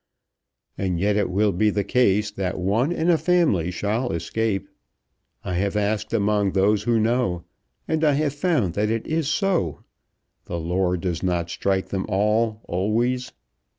And yet it will be the case that one in a family shall escape. I have asked among those who know, and I have found that it is so. The Lord does not strike them all, always.